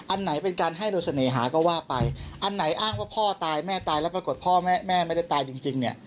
อันไหนเป็นการให้โดยเสน่หาก็ว่าไปอันไหนอ้างว่าพ่อตายแม่ตายแล้วปรากฏพ่อแม่แม่ไม่ได้ตายจริงเนี่ย